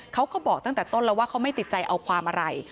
เขาก็บอกตั้งแต่ต้นแล้วว่าเขาไม่ติดใจเอาความอะไร